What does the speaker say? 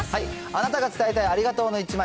あなたが伝えたいありがとうの１枚。